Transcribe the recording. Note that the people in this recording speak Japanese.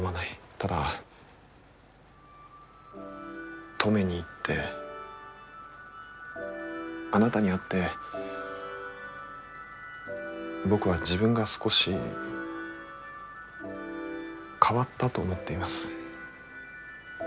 ただ登米に行ってあなたに会って僕は自分が少し変わったと思っています。